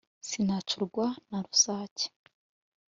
sinacurwa na rusake